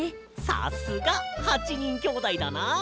さすが８にんきょうだいだなあ。